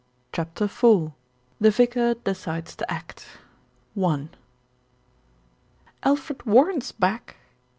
CHAPTER IV THE VICAR DECIDES TO ACT " 4 LFRED WARREN'S back."